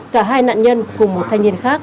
cả hai nạn nhân cùng một thanh niên khác